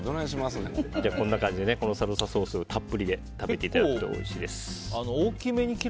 今日はサルサソースをたっぷりで食べていただくとおいしいです。